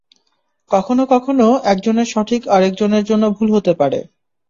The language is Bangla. কখনও কখনও, একজনের সঠিক আরেক জনের জন্য ভুল হতে পারে।